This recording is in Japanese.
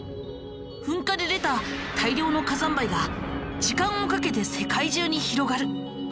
噴火で出た大量の火山灰が時間をかけて世界中に広がる。